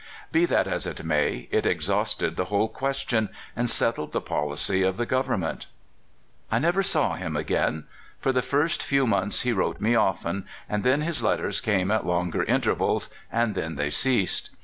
Be that as it may, it exhausted the whole question, and settled the policy of the government. I never saw him again. For the first few months he wrote me often, and then his letters came at longer intervals, and then they ceased.